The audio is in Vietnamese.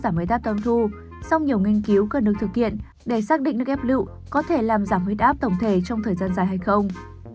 sau nhiều nghiên cứu các nước thực hiện để xác định nước ép lựu có thể làm giảm huyết áp tổng thể trong thời gian dài hay không